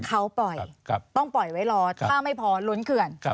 เขาปล่อยต้องปล่อยไว้รอถ้าไม่พอล้นเขื่อน